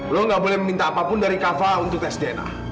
lo gak boleh meminta apapun dari kava untuk tes dna